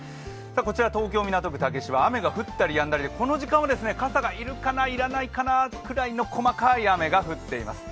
こちら東京・港区竹芝雨が降ったりやんだりで、この時間は傘がいるか、いらないかなぐらいの細かい雨が降っています。